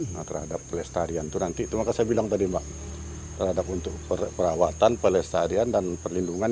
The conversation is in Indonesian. nah terhadap pelestarian itu nanti itu maka saya bilang tadi mbak terhadap untuk perawatan pelestarian dan perlindungan